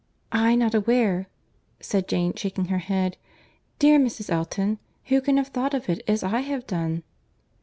"I not aware!" said Jane, shaking her head; "dear Mrs. Elton, who can have thought of it as I have done?"